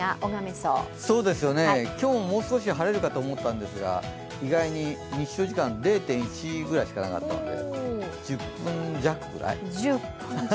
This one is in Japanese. そうですよね、今日もう少し晴れるかと思ったんですが意外に日照時間０．１ぐらいしかなかったので１０分弱ぐらい？